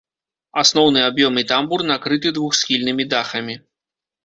Асноўны аб'ём і тамбур накрыты двухсхільнымі дахамі.